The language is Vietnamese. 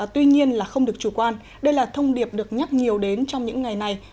tuy nhiên là không được chủ quan đây là thông điệp được nhắc nhiều đến trong những ngày này